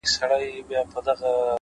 هدف واضح وي نو وېره کمېږي؛